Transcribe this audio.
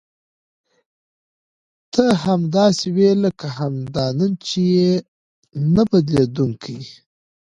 ته همداسې وې لکه همدا نن چې یې نه بدلېدونکې.